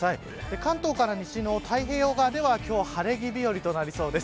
関東から西の太平洋側では今日は、晴れ着日和となりそうです。